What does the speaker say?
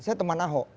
saya teman ahok